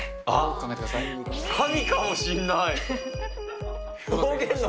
神かもしんない！